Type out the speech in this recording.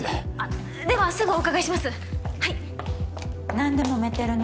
何でもめてるの？